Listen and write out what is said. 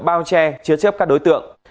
bao che chứa chếp các đối tượng